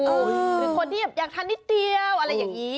หรือคนที่อยากทานนิดเดียวอะไรอย่างนี้